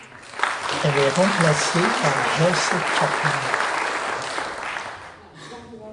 Elle est remplacée par Jesse Chacón.